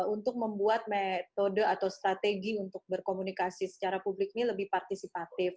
untuk membuat metode atau strategi untuk berkomunikasi secara publik ini lebih partisipatif